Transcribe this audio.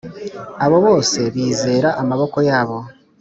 Abo bose bizera amaboko yabo,